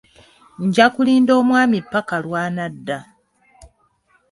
Nja kulinda omwami ppaka lw'anadda.